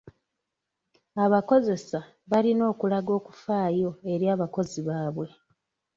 Abakozesa balina okulaga okufaayo eri abakozi baabwe.